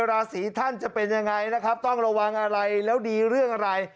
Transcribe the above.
ราศีท่านจะเป็นยังไงนะครับต้องระวังอะไรแล้วดีเรื่องอะไร